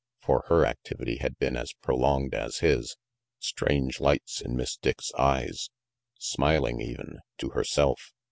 For her activity had been as pro longed as his. Strange lights in Miss Dick's eyes! Smiling even, to herself.